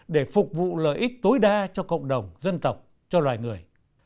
để phục vụ lợi ích tối đa cho cộng đồng dân tộc cho loài người